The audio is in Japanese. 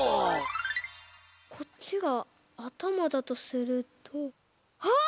こっちがあたまだとするとあっ！